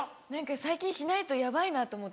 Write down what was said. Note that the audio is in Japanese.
最近しないとヤバいなと思って。